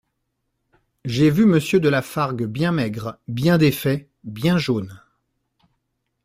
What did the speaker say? J'ai vu Monsieur de La Fargue bien maigre, bien défait, bien jaune.